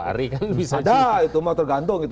ada itu mau tergantung